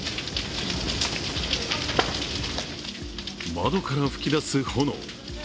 窓から噴き出す炎。